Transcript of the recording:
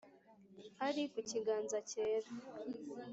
ari ku kiganza cyera;